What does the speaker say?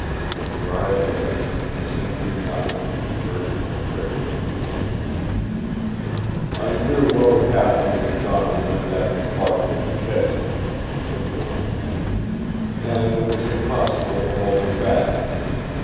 With dry lips he simply nodded, urging McTrigger to continue. "I knew what would happen if Donald went after Barkley and Kedsty," said the older man. "And it was impossible to hold him back.